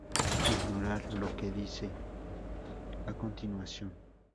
Ignorar lo que dice a continuación.